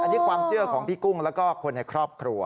อันนี้ความเชื่อของพี่กุ้งแล้วก็คนในครอบครัว